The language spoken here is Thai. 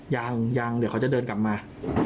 ยังยังเดี๋ยวเขาจะเดินกลับมา